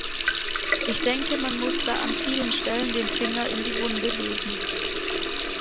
Ich denke, man muss da an vielen Stellen den Finger in die Wunde legen.